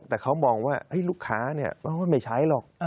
แต่เขามองว่าลูกค้าไม่ใช้หรอก